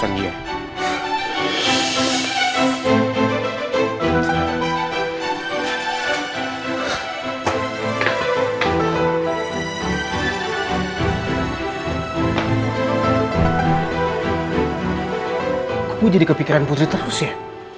aku jadi kepikiran putri terus ya